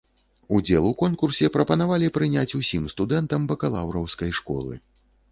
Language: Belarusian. Удзел у конкурсе прапанавалі прыняць усім студэнтам бакалаўраўскай школы.